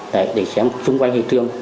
để xem xung quanh hiện trường